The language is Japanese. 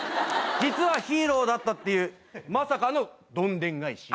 実はヒーローだったというまさかのどんでん返し。